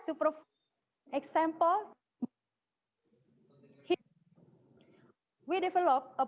karena kelas tengah dan tinggi